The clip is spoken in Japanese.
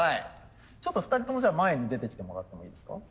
ちょっと２人ともじゃあ前に出てきてもらってもいいですか。